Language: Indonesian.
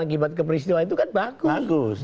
akibat keperistiwa itu kan bagus